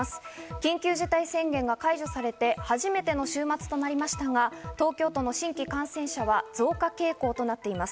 緊急事態宣言が解除されて初めての週末となりましたが、東京都の新規感染者は増加傾向となっています。